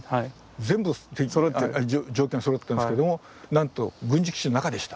全部状況がそろってるんですけどもなんと軍事基地の中でした。